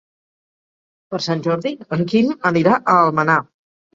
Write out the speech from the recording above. Per Sant Jordi en Quim anirà a Almenar.